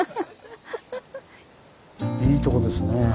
いいとこですね。